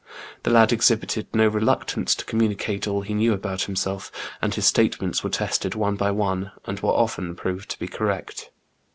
The lad exhibited no reluctance to communicate all he knew about liimself, and his statements were tested one by one, and were often proved to be correct.